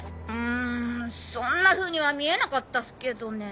んそんなふうには見えなかったっすけどね。